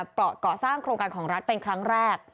ก่อสร้างโครงการของรัฐเป็นครั้งแรก